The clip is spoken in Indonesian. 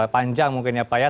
panjang mungkin ya pak ya